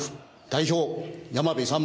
代表山部勇。